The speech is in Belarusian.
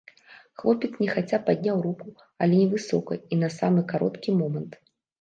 Хлопец нехаця падняў руку, але невысока і на самы кароткі момант.